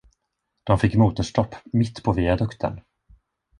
De fick motorstopp mitt på viadukten.